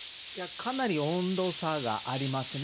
かなり温度差がありますね。